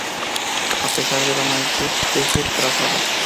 A pesar de la magnitud de este trazado